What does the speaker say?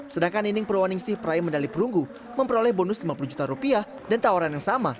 sedangkan nining purwaningsih peraih medali perunggu memperoleh bonus lima puluh juta rupiah dan tawaran yang sama